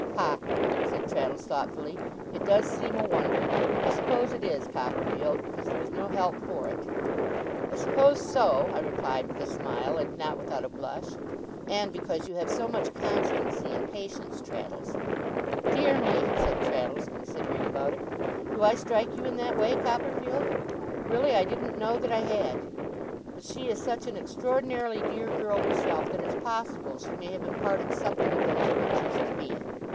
'Hah!' said Traddles, thoughtfully. 'It does seem a wonder. I suppose it is, Copperfield, because there is no help for it?' 'I suppose so,' I replied with a smile, and not without a blush. 'And because you have so much constancy and patience, Traddles.' 'Dear me!' said Traddles, considering about it, 'do I strike you in that way, Copperfield? Really I didn't know that I had. But she is such an extraordinarily dear girl herself, that it's possible she may have imparted something of those virtues to me.